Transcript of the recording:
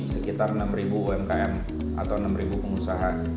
sekitar enam ribu umkm atau enam ribu pengusaha